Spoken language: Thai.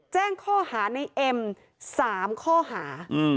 แจ้งข้อหาในเอ็ม๓ข้อหา